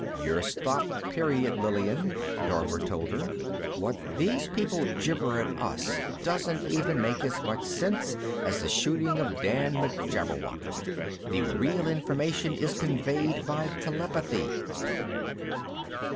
"You're stopped, period, Lillian," Dorver told her. "What these people gibber at us doesn't even make as much sense as the Shooting of Dan McJabberwock. The real information is conveyed by telepathy."